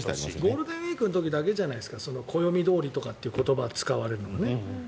ゴールデンウィークの時だけじゃないですか暦どおりとかって言葉を使われるのは。